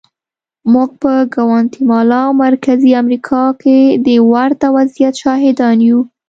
موږ په ګواتیمالا او مرکزي امریکا کې د ورته وضعیت شاهدان یو.